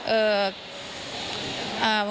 เออ